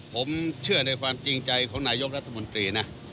ผมเชื่อในความจริงใจของนายกรัฐมนตรีนะ